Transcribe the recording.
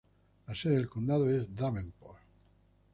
La sede del condado es Davenport.